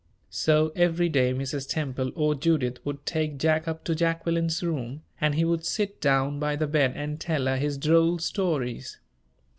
So every day Mrs. Temple or Judith would take Jack up to Jacqueline's room, and he would sit down by the bed and tell her his droll stories.